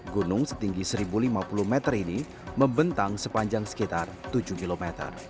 gunung setinggi satu lima puluh meter ini membentang sepanjang sekitar tujuh km